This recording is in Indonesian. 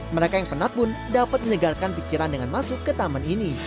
mereka yang penat pun dapat menyegarkan pikiran dengan masuk ke taman ini